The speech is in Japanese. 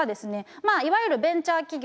まあいわゆるベンチャー企業。